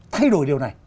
thay đổi điều này